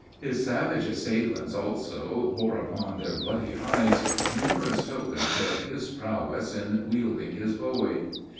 His savage assailants also, bore upon their bloody hides numerous tokens of his prowess in wielding his bowie.